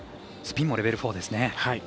スピンもレベル４ですね。